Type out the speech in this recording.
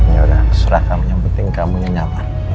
ya udah surah kamu yang penting kamu yang nyaman